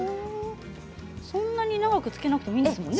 そんなに長く漬けなくてもいいんですよね。